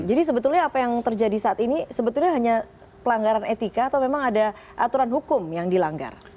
jadi sebetulnya apa yang terjadi saat ini sebetulnya hanya pelanggaran etika atau memang ada aturan hukum yang dilanggar